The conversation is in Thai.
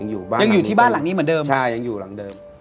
ยังอยู่ที่บ้านหลังนี้เหมือนเดิม